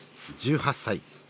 １８歳。